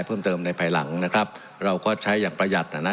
เพิ่มเติมในภายหลังนะครับเราก็ใช้อย่างประหยัดอ่ะนะ